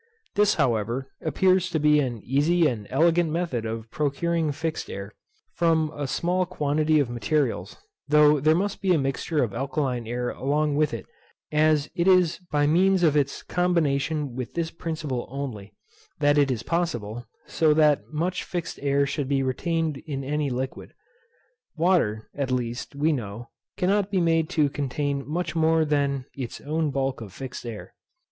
This, however, appears to be an easy and elegant method of procuring fixed air, from a small quantity of materials, though there must be a mixture of alkaline air along with it; as it is by means of its combination with this principle only, that it is possible, that so much fixed air should be retained in any liquid. Water, at least, we know, cannot be made to contain much more than its own bulk of fixed air.